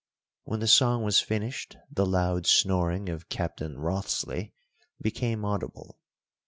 When the song was finished the loud snoring of Captain Wriothesley became audible.